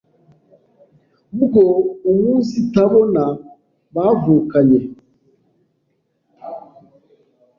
bwo umunsitabona bavukanye